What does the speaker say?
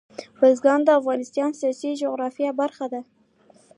بزګان د افغانستان د سیاسي جغرافیه برخه ده.